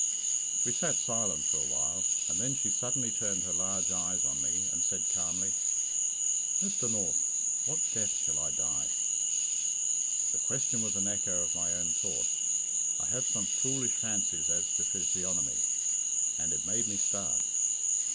We sat silent for a while, and then she suddenly turned her large eyes on me, and said calmly, "Mr. North, what death shall I die?" The question was an echo of my own thoughts I have some foolish (?) fancies as to physiognomy and it made me start.